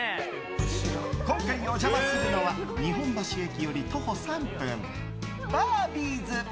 今回お邪魔するのは日本橋駅より徒歩３分ＢａｒＢｉｅｓ。